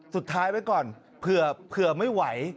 สุดท้ายไว้ก่อนเผื่อไม่ไหว